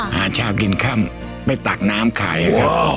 หาเช้ากินค่ำไปตักน้ำขายครับ